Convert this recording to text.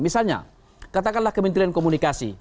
misalnya katakanlah kementerian komunikasi